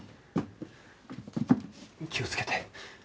気をつけて。